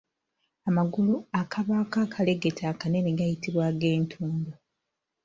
Amagulu akabaako akalegete akanene gayitibwa ag’entumbwe.